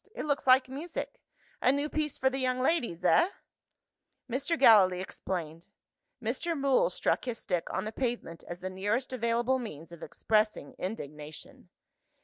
"It looks like music. A new piece for the young ladies eh?" Mr. Gallilee explained. Mr. Mool struck his stick on the pavement, as the nearest available means of expressing indignation.